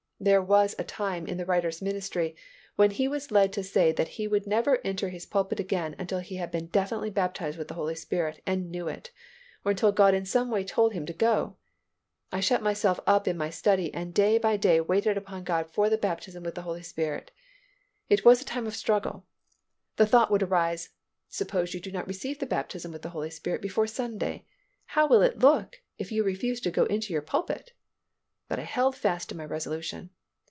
There was a time in the writer's ministry when he was led to say that he would never enter his pulpit again until he had been definitely baptized with the Holy Spirit and knew it, or until God in some way told him to go. I shut myself up in my study and day by day waited upon God for the baptism with the Holy Spirit. It was a time of struggle. The thought would arise, "Suppose you do not receive the baptism with the Holy Spirit before Sunday. How it will look for you to refuse to go into your pulpit," but I held fast to my resolution.